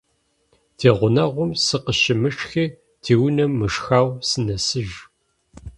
Ди гъунэгъум сыкъыщышхи ди унэ мышхэу сынэсыж.